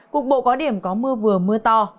cuộc bộ có điểm có mưa vừa mưa to